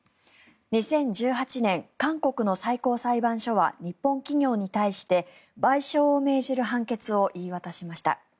２０１８年、韓国の最高裁判所は日本企業に対して賠償を命じる判決を言い渡しました。